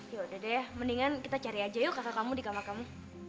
ya udah deh mendingan kita cari aja yuk kakak kamu di kamar kamu